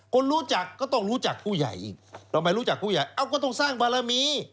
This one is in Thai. คนรู้จักก็ต้องรู้จักผู้ใหญ่อีกทำไมรู้จักผู้ใหญ่เอ้าก็ต้องสร้างบารมี